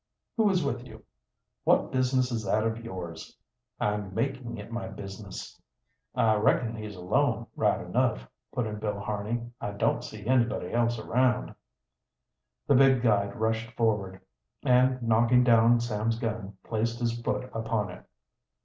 "Who is with you?" "What business is that of yours?" "I'm making it my business." "I reckon he's alone, right enough," put in Bill Harney. "I don't see anybody else around." The big guide rushed forward, and knocking down Sam's gun placed his foot upon it.